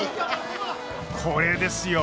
これですよ！